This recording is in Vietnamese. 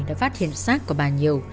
đã phát hiện sát của bà nhiều